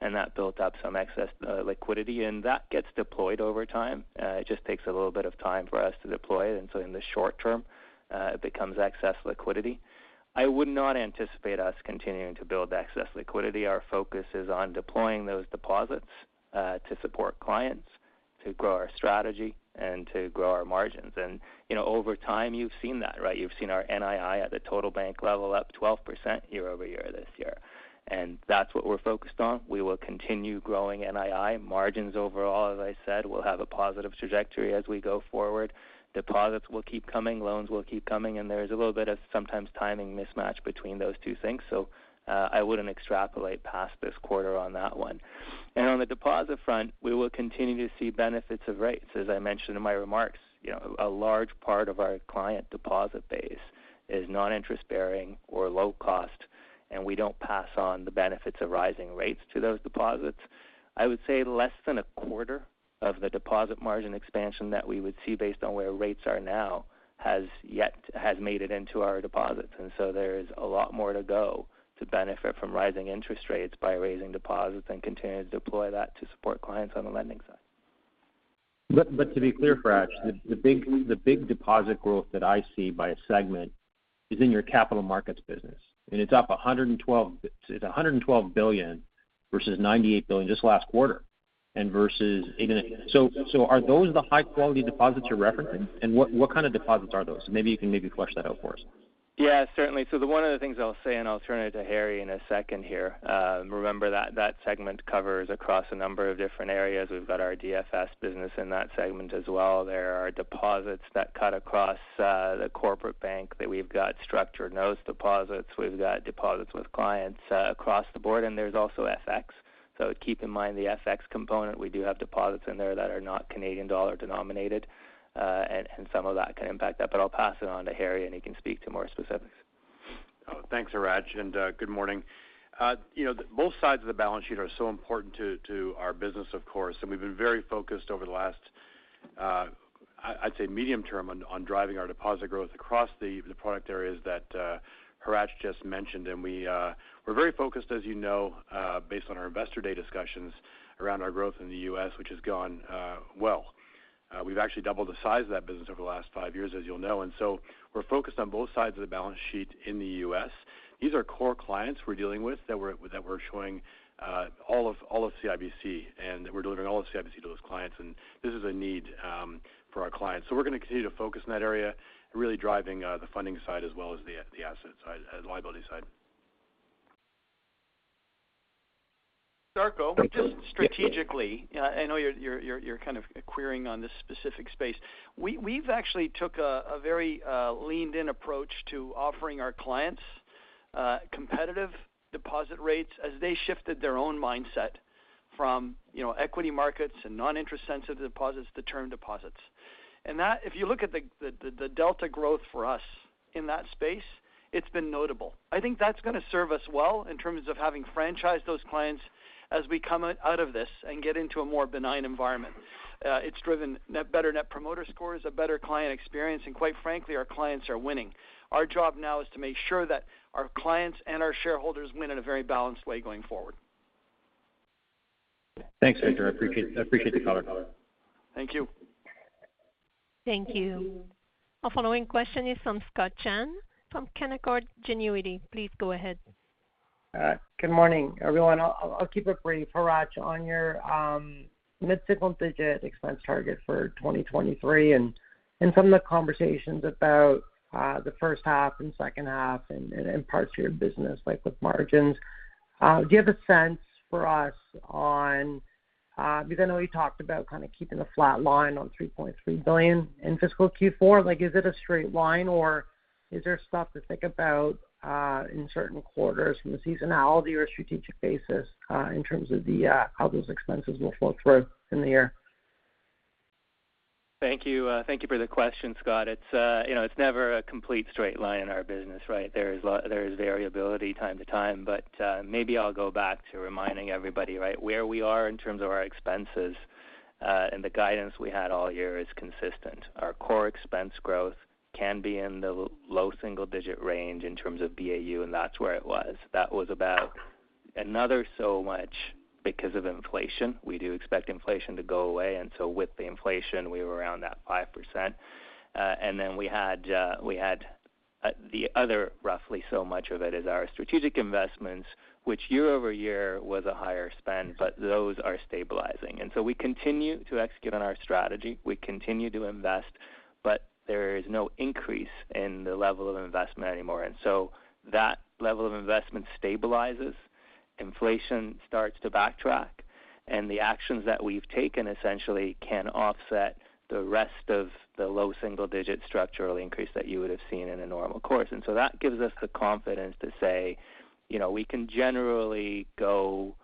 and that built up some excess liquidity, and that gets deployed over time. It just takes a little bit of time for us to deploy it. In the short term, it becomes excess liquidity. I would not anticipate us continuing to build excess liquidity. Our focus is on deploying those deposits to support clients, to grow our strategy, and to grow our margins. You know, over time, you've seen that, right? You've seen our NII at the total bank level up 12% year-over-year this year. That's what we're focused on. We will continue growing NII. Margins overall, as I said, will have a positive trajectory as we go forward. Deposits will keep coming, loans will keep coming, and there's a little bit of, sometimes timing, mismatch between those two things. I wouldn't extrapolate past this quarter on that one. On the deposit front, we will continue to see benefits of rates. As I mentioned in my remarks, you know, a large part of our client deposit base is non-interest bearing or low cost, and we don't pass on the benefits of rising rates to those deposits. I would say less than a quarter of the deposit margin expansion that we would see based on where rates are now has made it into our deposits. There is a lot more to go to benefit from rising interest rates by raising deposits and continuing to deploy that to support clients on the lending side. To be clear, Hratch, the big deposit growth that I see by segment is in your Capital Markets business. It's up 112 billion versus 98 billion just last quarter and versus eight and... Are those the high-quality deposits you're referencing? What, what kind of deposits are those? Maybe you can flesh that out for us. Yeah, certainly. The one of the things I'll say, and I'll turn it to Harry in a second here, remember that that segment covers across a number of different areas. We've got our DFS business in that segment as well. There are deposits that cut across the corporate bank that we've got structured notes deposits. We've got deposits with clients across the board, and there's also FX. Keep in mind the FX component. We do have deposits in there that are not Canadian dollar denominated, and some of that can impact that. I'll pass it on to Harry, and he can speak to more specifics. Thanks, Hratch, and good morning. You know, both sides of the balance sheet are so important to our business, of course. We've been very focused over the last I'd say medium term on driving our deposit growth across the product areas that Hratch just mentioned. We're very focused, as you know, based on our investor day discussions around our growth in the U.S., which has gone well. We've actually doubled the size of that business over the last five years, as you'll know. We're focused on both sides of the balance sheet in the U.S. These are core clients we're dealing with that we're showing all of CIBC, and we're delivering all of CIBC to those clients. This is a need for our clients. We're gonna continue to focus in that area, really driving the funding side as well as the asset side and liability side. Darko, just strategically, I know you're kind of querying on this specific space. We've actually took a very leaned-in approach to offering our clients competitive deposit rates as they shifted their own mindset from, you know, equity markets and non-interest sensitive deposits to term deposits. That, if you look at the delta growth for us in that space, it's been notable. I think that's gonna serve us well in terms of having franchised those clients as we come out of this and get into a more benign environment. It's driven better Net Promoter Scores, a better client experience, and quite frankly, our clients are winning. Our job now is to make sure that our clients and our shareholders win in a very balanced way going forward. Thanks, Victor. I appreciate the color. Thank you. Thank you. Our following question is from Scott Chan from Canaccord Genuity. Please go ahead. Good morning, everyone. I'll keep it brief. Hratch, on your mid-single-digit expense target for 2023 and some of the conversations about the first half and second half and parts of your business, like with margins, do you have a sense for us on, because I know we talked about kind of keeping a flat line on 3.3 billion in fiscal Q4. Like, is it a straight line, or is there stuff to think about in certain quarters from a seasonality or a strategic basis, in terms of the how those expenses will flow through in the year? Thank you. Thank you for the question, Scott. It's, you know, it's never a complete straight line in our business, right? There is variability time to time, but maybe I'll go back to reminding everybody, right, where we are in terms of our expenses, and the guidance we had all year is consistent. Our core expense growth can be in the low single-digit range in terms of BAU, and that's where it was. That was about another so much because of inflation. We do expect inflation to go away. With the inflation, we were around that 5%. Then we had the other roughly so much of it is our strategic investments, which year-over-year was a higher spend, but those are stabilizing. We continue to execute on our strategy. We continue to invest, but there is no increase in the level of investment anymore. That level of investment stabilizes, inflation starts to backtrack, and the actions that we've taken essentially can offset the rest of the low single-digit structural increase that you would have seen in a normal course. That gives us the confidence to say, you know, we can generally go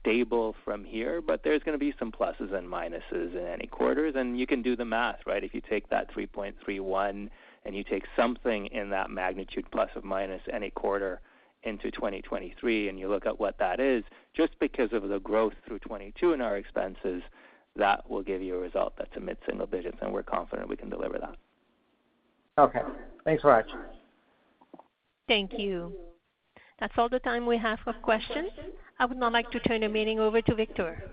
stable from here, but there's gonna be some pluses and minuses in any quarter. You can do the math, right? If you take that 3.31 and you take something in that magnitude, ± any quarter into 2023, and you look at what that is, just because of the growth through 2022 in our expenses, that will give you a result that's a mid-single digits, and we're confident we can deliver that. Okay. Thanks, Hratch. Thank you. That's all the time we have for questions. I would now like to turn the meeting over to Victor.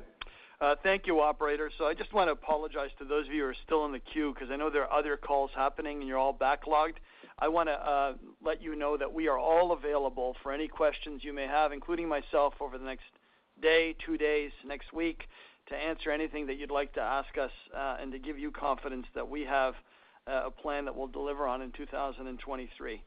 Thank you, operator. I just want to apologize to those of you who are still in the queue because I know there are other calls happening and you're all backlogged. I wanna let you know that we are all available for any questions you may have, including myself, over the next day, 2 days, next week, to answer anything that you'd like to ask us, and to give you confidence that we have a plan that we'll deliver on in 2023.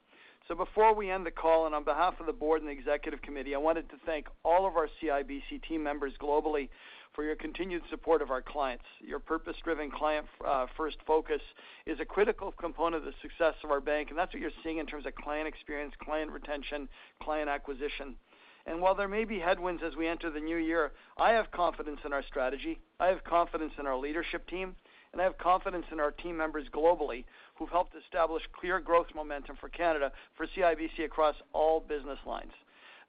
Before we end the call and on behalf of the board and the executive committee, I wanted to thank all of our CIBC team members globally for your continued support of our clients. Your purpose-driven client first focus is a critical component of the success of our bank. That's what you're seeing in terms of client experience, client retention, client acquisition. While there may be headwinds as we enter the new year, I have confidence in our strategy, I have confidence in our leadership team, and I have confidence in our team members globally who've helped establish clear growth momentum for Canada, for CIBC across all business lines.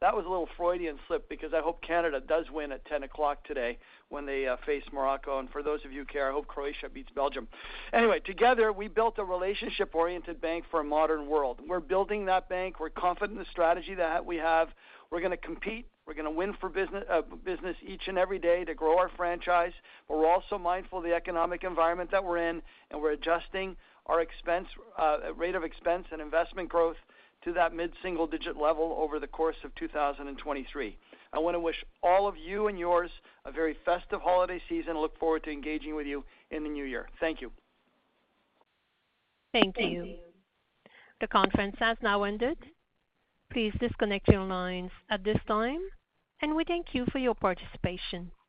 That was a little Freudian slip because I hope Canada does win at 10 o'clock today when they face Morocco. For those of you who care, I hope Croatia beats Belgium. Anyway, together, we built a relationship-oriented bank for a modern world. We're building that bank. We're confident in the strategy that we have. We're gonna compete. We're gonna win for business each and every day to grow our franchise. We're also mindful of the economic environment that we're in, and we're adjusting our expense rate of expense and investment growth to that mid-single digit level over the course of 2023. I wanna wish all of you and yours a very festive holiday season. Look forward to engaging with you in the new year. Thank you. Thank you. The conference has now ended. Please disconnect your lines at this time, and we thank you for your participation.